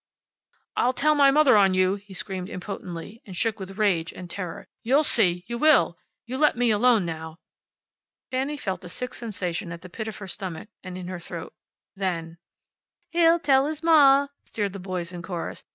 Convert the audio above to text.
"I'll tell my mother on you!" he screamed impotently, and shook with rage and terror. "You'll see, you will! You let me alone, now!" Fanny felt a sick sensation at the pit of her stomach and in her throat. Then: "He'll tell his ma!" sneered the boys in chorus.